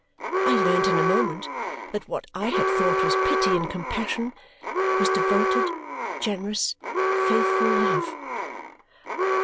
I learned in a moment that what I had thought was pity and compassion was devoted, generous, faithful love.